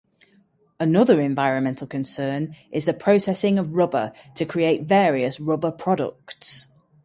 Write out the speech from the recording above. Another environmental concern is the processing of rubber to create various rubber products.